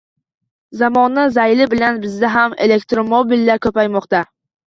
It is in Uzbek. Zamona zayli bilan bizda ham elektromobillar ko‘paymoqda.